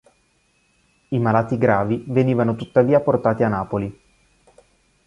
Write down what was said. I malati gravi venivano tuttavia portati a Napoli.